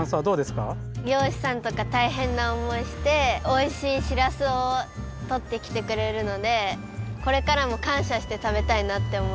りょうしさんとかたいへんなおもいしておいしいしらすをとってきてくれるのでこれからもかんしゃしてたべたいなっておもいます。